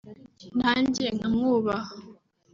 nange nkamwubaha